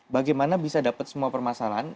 bagaimana bisa dapat semua permasalahan